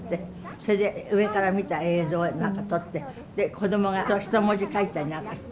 それで上から見た映像なんか撮ってでこどもが人文字書いたりなんかして。